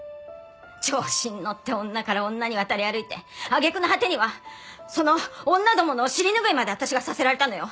調子に乗って女から女に渡り歩いて揚げ句の果てにはその女どもの尻拭いまで私がさせられたのよ！